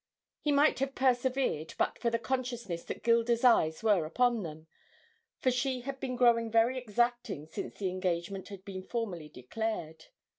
He might have persevered but for the consciousness that Gilda's eyes were upon them, for she had been growing very exacting since the engagement had been formally declared.